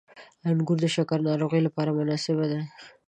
• انګور د شکرې ناروغۍ لپاره مناسب دي.